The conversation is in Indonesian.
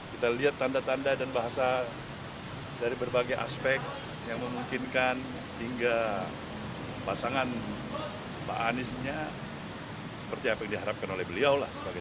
kita lihat tanda tanda dan bahasa dari berbagai aspek yang memungkinkan hingga pasangan pak anies punya seperti apa yang diharapkan oleh beliau lah